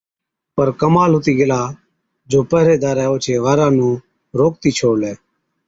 پَر ڪمال هُتِي گيلا جو پهريدارَي اوڇي وارا نُون روڪتِي ڇوڙلَي۔